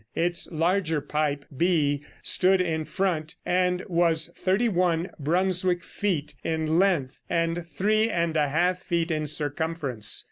Its larger pipe B stood in front, and was thirty one Brunswick feet in length and three and a half feet in circumference.